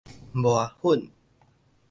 磨粉